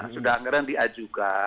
sudah anggaran dia juga